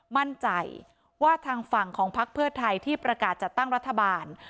มั่นใจว่าทางฝั่งของพักเพื่อไทยที่ประกาศจัดตั้งรัฐบาล